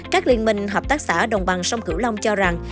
các liên minh hợp tác xã đồng bằng sông cửu long cho rằng